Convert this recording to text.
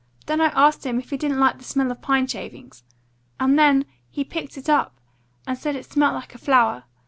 Then I asked him if he didn't like the smell of pine shavings. And then he picked it up, and said it smelt like a flower.